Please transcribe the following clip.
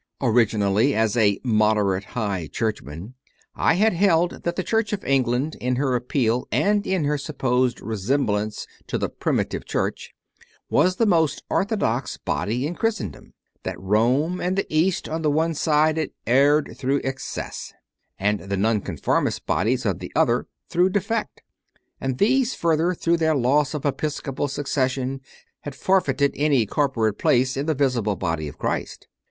5. Originally, as a "Moderate High Church man," I had held that the Church of England, in her appeal and in her supposed resemblance to the " Primitive" Church, was the most orthodox body in Christendom; that Rome and the East on the one side had erred through excess; and the Non conformist bodies on the other through defect, and these, further, through their loss of episcopal succes sion, had forfeited any corporate place in the Visible Body of Christ.